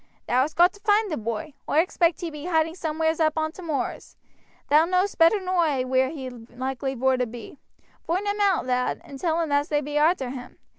Thou hast got to find the boy; oi expect he be hiding somewheres up on t' moors. Thou knowst better nor oi wheere he be likely vor to be. Voind him out, lad, and tell him as they be arter him.